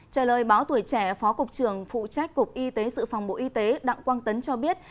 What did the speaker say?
trả lời báo tuổi trẻ phó cục trưởng phụ trách cục y tế dự phòng bộ y tế đặng quang tấn cho biết